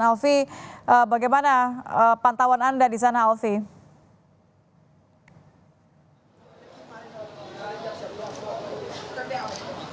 alvi bagaimana pantauan anda di sana alfie